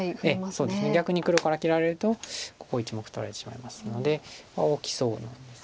逆に黒から切られるとここ１目取られてしまいますので大きそうなんですけど。